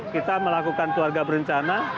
kita melakukan keluarga berencana